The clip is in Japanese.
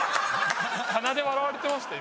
鼻で笑われてましたよ